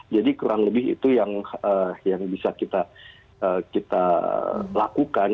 jadi kurang lebih itu yang bisa kita lakukan